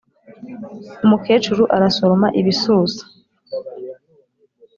umukecuru arasoroma ibisusa.